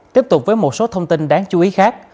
tiếp tục với một số thông tin đáng chú ý khác